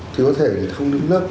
thì có thể không đứng lớp